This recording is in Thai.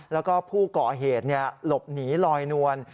แล้วก็ผู้ก่อเหตุหลบหนีลอยนวล